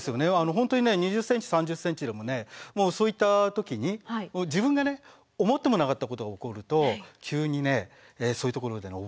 本当に２０ｃｍ３０ｃｍでもそういった時に自分が思ってもなかったことが起こると急にそういうところで溺れるんですよね。